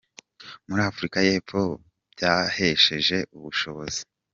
muri Afurika y’Epfo byahesheje ubushobozi.